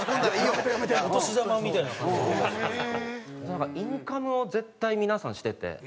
なんかインカムを絶対皆さんしてて。